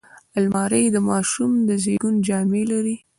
الماري د ماشوم د زیږون جامې لري